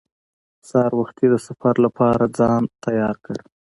سهار وختي د سفر لپاره ځان تیار کړ.